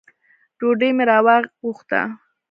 ډوډۍ مي راوغوښته .